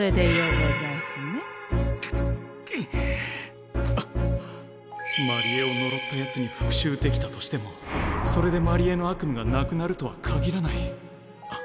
心の声真理恵をのろったやつに復しゅうできたとしてもそれで真理恵の悪夢がなくなるとはかぎらない。